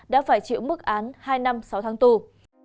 đã phải chịu mức án hai năm sáu tháng tù